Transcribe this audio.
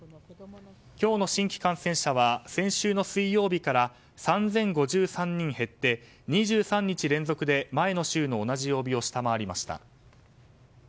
今日の新規感染者は先週の水曜日から３０５３人減って２３日連続で前の週の同じ曜日を下回りました。